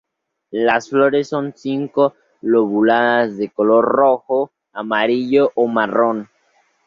Las flores son cinco lobuladas de color rojo, amarillo o marrón.